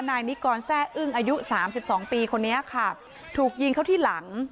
นายนิกรแซ่อึ้งอายุสามสิบสองปีคนนี้ค่ะถูกยิงเข้าที่หลัง